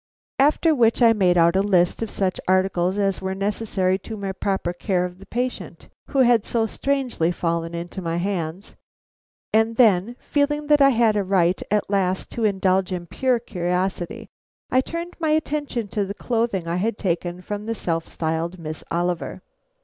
After which I made out a list of such articles as were necessary to my proper care of the patient who had so strangely fallen into my hands, and then, feeling that I had a right at last to indulge in pure curiosity, I turned my attention to the clothing I had taken from the self styled Miss Oliver.